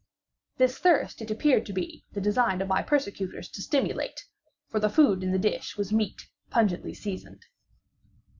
This thirst it appeared to be the design of my persecutors to stimulate—for the food in the dish was meat pungently seasoned.